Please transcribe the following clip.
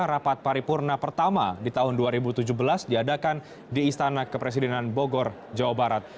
rapat paripurna pertama di tahun dua ribu tujuh belas diadakan di istana kepresidenan bogor jawa barat